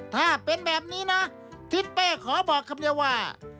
ถ้าเป็นแบบนี้นะทิศเป้ขอบอกคำเดียวว่า